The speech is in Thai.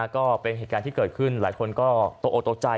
ก็เป็นเหตุการณ์ที่เกิดขึ้นหลายคนก็ตกโอตกใจ